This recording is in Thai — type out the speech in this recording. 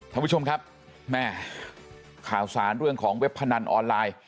ท่านผู้ชมครับแม่ข่าวสารเรื่องของเว็บพนันออนไลน์